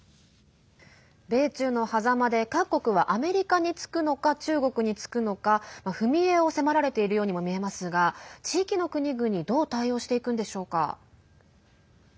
米中のはざまで各国はアメリカにつくのか中国につくのか踏み絵を迫られているようにも見えますが地域の国々どう対応していくんでしょうか。